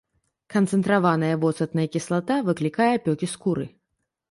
Канцэнтраваная воцатная кіслата выклікае апёкі скуры.